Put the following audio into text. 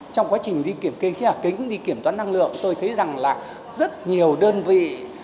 trong quá trình đi kiểm kê khí nhà kính đi kiểm toán năng lượng tôi thấy rằng là rất nhiều đơn vị